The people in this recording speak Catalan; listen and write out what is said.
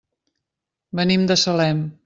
Venim de Salem.